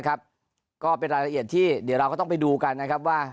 ก็เป็นรายละเอียดที่เดี๋ยวเราก็ต้องไปดูกันนะครับว่า